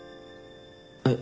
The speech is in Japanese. えっ？